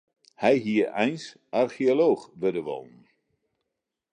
Hy hie eins archeolooch wurde wollen.